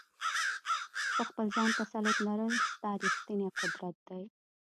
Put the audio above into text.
په خپل ځان تسلط لرل ستا ریښتینی قدرت دی.